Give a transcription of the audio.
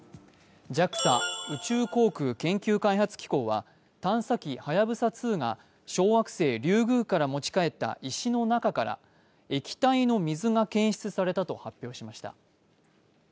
ＪＡＸＡ＝宇宙航空研究開発機構は、探査機「はやぶさ２」が小惑星リュウグウから持ち帰った石の中から液体の水が検出されたと発表しました。